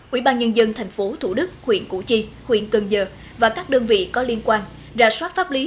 ubnd tp thủ đức huyện củ chi huyện cần giờ và các đơn vị có liên quan ra soát pháp lý